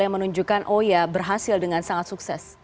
yang menunjukkan oh ya berhasil dengan sangat sukses